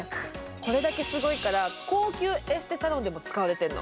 これだけすごいから高級エステでも使われてるの。